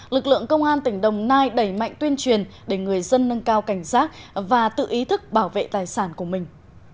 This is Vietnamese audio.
lực lượng công an tỉnh đồng nai đẩy mạnh tuyên truyền để người dân nâng cao cảnh giác và tự ý thức bảo vệ tài sản của mình